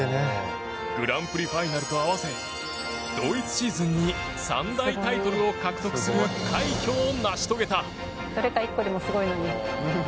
グランプリファイナルと併せ同一シーズンに三大タイトルを獲得する快挙を成し遂げた。